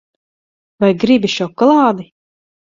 Vai gribi šokolādi?